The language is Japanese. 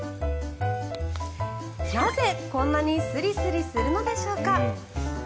なぜ、こんなにスリスリするのでしょうか。